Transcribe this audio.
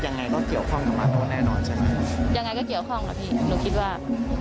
ยังไงก็เกี่ยวข้องเหรอพี่หนูคิดว่า